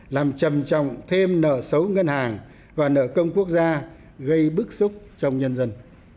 làm trầm trọng thêm nợ xấu ngân hàng và nợ công quốc gia gây bức xúc trong nhân dân